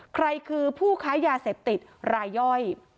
ใครคือผู้ค้ายาเสพติดรายย่อย